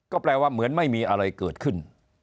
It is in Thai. ก็แปลว่าเหมือนไม่มีอะไรเกิดขึ้น